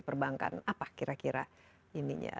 perbankan apa kira kira